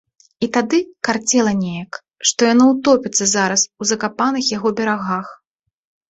І тады карцела неяк, што яно ўтопіцца зараз у закапаных яго берагах.